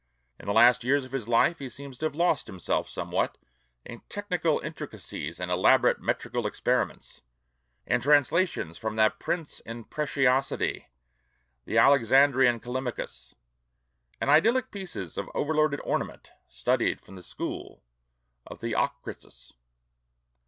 In the last years of his life he seems to have lost himself somewhat in technical intricacies and elaborate metrical experiments; in translations from that prince in preciosity, the Alexandrian Callimachus; and idyllic pieces of overloaded ornament studied from the school of Theocritus.